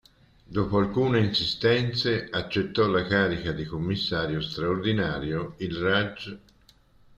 Dopo alcune insistenze accettò la carica di commissario straordinario il rag.